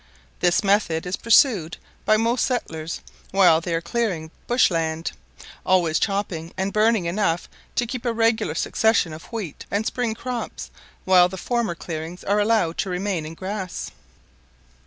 This method is pursued by most settlers while they are clearing bush land; always chopping and burning enough to keep a regular succession of wheat and spring crops, while the former clearings are allowed to remain in grass.